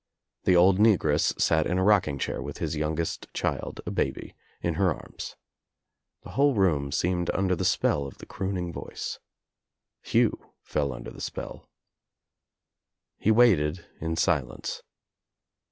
The old negress sat in a rocking chair with his youngest child, a baby, in her arms. The whole room seemed under the spell of the crooning voice. Hugh fell under the spell. He waited in silence.